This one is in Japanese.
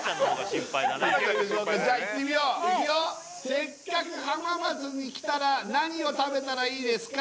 せっかく浜松に来たら何を食べたらいいですか？